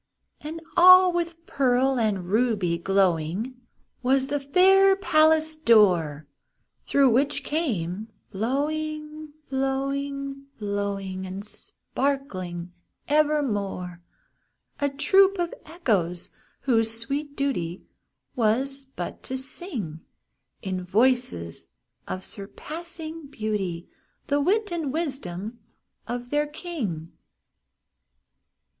And all with pearl and ruby glowing Was the fair palace door, Through which came flowing, flowing, flowing, And sparkling evermore, A troop of Echoes, whose sweet duty Was but to sing, In voices of surpassing beauty, The wit and wisdom of their king.